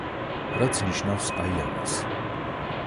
რაც ნიშნავს აი ამას.